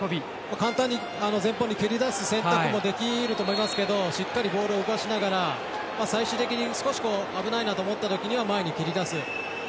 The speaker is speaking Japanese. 簡単に前方に蹴り出す選択もできると思いますけどしっかりボールを動かしながら最終的に少し危ないなと思ったときは前に蹴り出す。